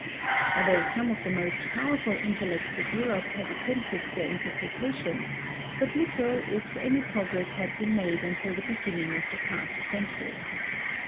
Although some of the most powerful intellects of Europe had attempted their interpretation, but little, if any progress had been made until the beginning of the past century.